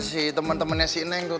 si temen temennya si neng tuh